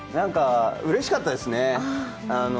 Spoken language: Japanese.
うれしかったですね。